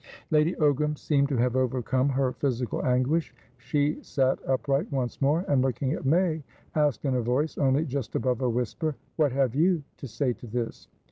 Lady Ogram seemed to have overcome her physical anguish. She sat upright once more, and, looking at May, asked in a voice only just above a whisper: "What have you to say to this?"